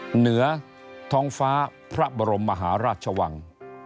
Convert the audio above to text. เหนือท้องฟ้าพระบรมมหาราชวัง